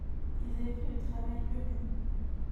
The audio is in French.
Ils avaient fait le travail eux-mêmes.